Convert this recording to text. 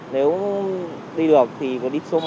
nếu đi được thì có đi số một